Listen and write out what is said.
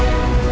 gak ada apa